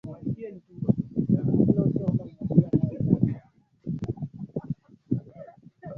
taarifa inakupa orodha ya miundo muhimu ya kuzingatia